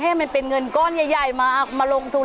ให้มันเป็นเงินก้อนใหญ่มาลงทุน